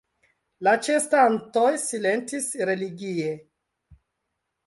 La ĉeestantoj silentis religie.